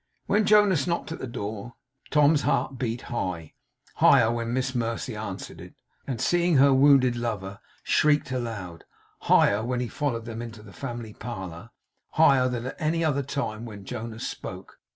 When Jonas knocked at the door, Tom's heart beat high; higher when Miss Mercy answered it, and seeing her wounded lover, shireked aloud; higher, when he followed them into the family parlour; higher than at any other time, when Jonas spoke.